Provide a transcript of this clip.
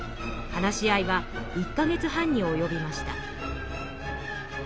話し合いは１か月半におよびました。